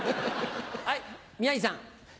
はい宮治さん。